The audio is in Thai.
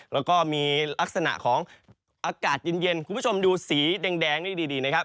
แล้วก็มีลักษณะของอากาศเย็นคุณผู้ชมดูสีแดงนี่ดีนะครับ